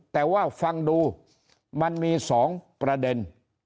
แต่ว่าฟังดูมันมี๒ประเด็น